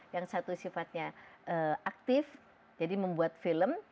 yang satu sifatnya aktif jadi membuat film